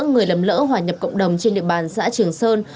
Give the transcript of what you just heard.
người nằm nỡ hòa nhập cộng đồng trên địa bàn xã trường sơn